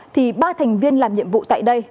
thì ba thành viên làm nhiệm vụ tại đây